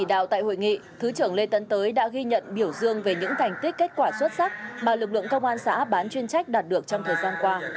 tại hội nghị thứ trưởng lê tấn tới đã ghi nhận biểu dương về những thành tích kết quả xuất sắc mà lực lượng công an xã bán chuyên trách đạt được trong thời gian qua